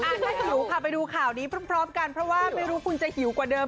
ถ้าหิวค่ะไปดูข่าวนี้พร้อมกันเพราะว่าไม่รู้คุณจะหิวกว่าเดิม